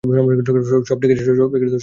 সব ঠিক আছে, ঠিক আছে।